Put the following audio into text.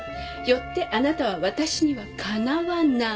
よってあなたは私にはかなわない。